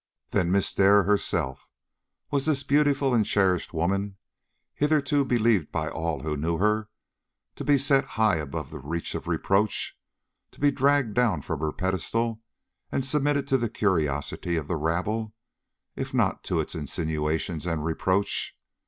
Then Miss Dare herself! Was this beautiful and cherished woman, hitherto believed by all who knew her to be set high above the reach of reproach, to be dragged down from her pedestal and submitted to the curiosity of the rabble, if not to its insinuations and reproach?